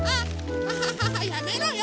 アハハハやめろよ！